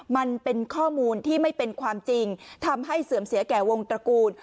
มันเป็นข้อมูลที่ไม่เป็นความจริงทำให้เสื่อมเสียแก่วงตระกูล